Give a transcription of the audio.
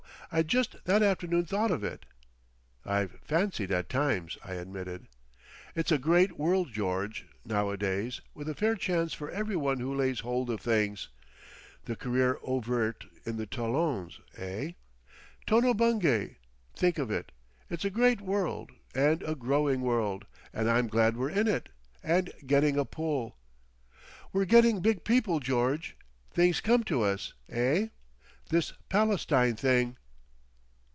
I'd just that afternoon thought of it!" "I've fancied at times;" I admitted. "It's a great world, George, nowadays, with a fair chance for every one who lays hold of things. The career ouvert to the Talons—eh? Tono Bungay. Think of it! It's a great world and a growing world, and I'm glad we're in it—and getting a pull. We're getting big people, George. Things come to us. Eh? This Palestine thing."...